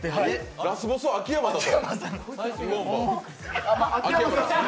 ラスボスは秋山だと。